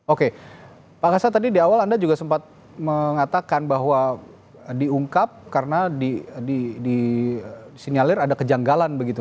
oke pak kasat tadi di awal anda juga sempat mengatakan bahwa diungkap karena disinyalir ada kejanggalan begitu